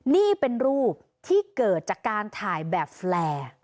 นี่เป็นรูปที่เกิดจากการถ่ายแบบแฟร์